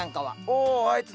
おあいつ